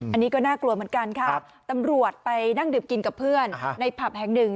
อันนี้ก็น่ากลัวเหมือนกันค่ะตำรวจไปนั่งดื่มกินกับเพื่อนในผับแห่งหนึ่ง